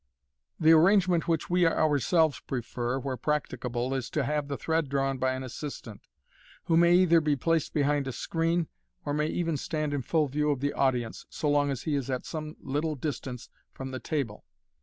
The arrange ment which we ourselves prefer, where practicable, is to have the thread drawn by an assistant, who may either be placed behind a screen, or may even stand in full view of the audience, so long as he is at some little distance from the table.